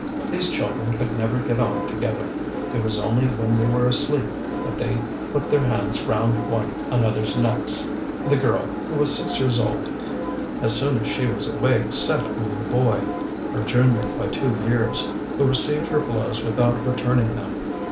These children could never get on together; it was only when they were asleep that they put their arms round one another's necks. The girl, who was six years old, as soon as she was awake set on the boy, her junior by two years, who received her blows without returning them.